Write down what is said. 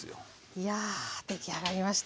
いや出来上がりました。